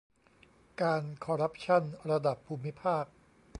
การคอร์รัปชั่นระดับภูมิภาค